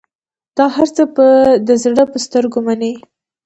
دا هرڅه به د زړه په سترګو منې.